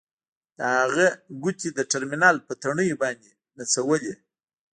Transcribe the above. د هغه ګوتې د ټرمینل په تڼیو باندې نڅولې